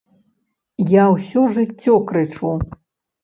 Я ўсё жыццё крычу.